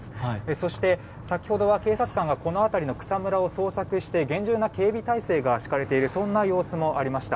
そして先ほどは警察官が草むらを捜索して厳重な警備態勢が敷かれているそんな様子もありました。